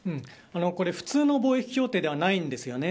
普通の貿易協定ではないんですよね。